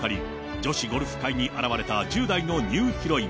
女子ゴルフ界に現れた１０代のニューヒロイン。